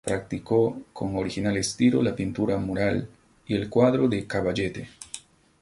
Practicó con original estilo la pintura mural y el cuadro de caballete.